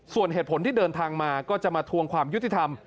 ส่วนเหตุผลที่เดินทางมาก็จะมาทวงความยุติธรรม